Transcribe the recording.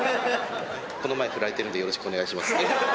この前ふられているんで、よろしくお願いします。